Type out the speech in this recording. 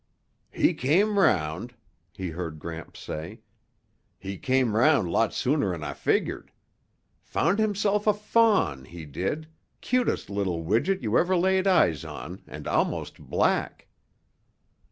"He came round," he heard Gramps say. "He came round lot sooner'n I figured. Found himself a fawn, he did, cutest little widget you ever laid eyes on and almost black."